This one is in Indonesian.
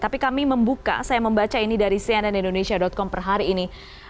tapi kami membuka saya membaca ini dari cnnindonesia com per hari ini